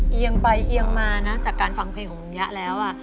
เอียงไปเอียงมานะจากการฟังเพลงของลุงยะแล้ว